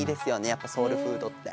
やっぱソウルフードって。